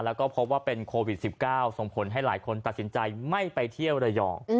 แล้วก็พบว่าเป็นโควิด๑๙ส่งผลให้หลายคนตัดสินใจไม่ไปเที่ยวระยอง